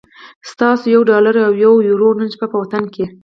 ستاسو یو ډالر او یوه یورو نن شپه په وطن کی